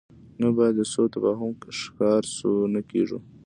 نه باید د سوء تفاهم ښکار شو، نه کېږو.